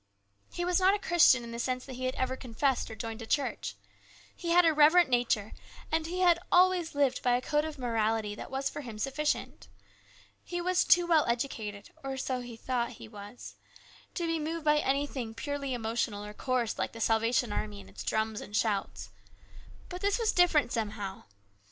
He was not a Christian in the sense that he had ever confessed or joined a church. He had a reverent nature, and he had always lived by a code of morality that was for him sufficient. He was too well educated, or he thought he was, to be moved by anything purely emotional or coarse like the Salvation Army and its drums and shouts. But this was different somehow.